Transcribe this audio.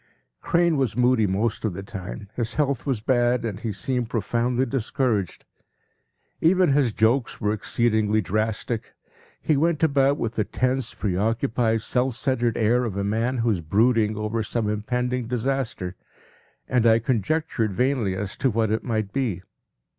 p> Crane was moody most of the time, his health was bad and he seemed profoundly discouraged. Even his jokes were exceedingly drastic. He went about with the tense, preoccupied, self centered air of a man who is brooding over some impending disaster, and I conjectured vainly as to what it might be.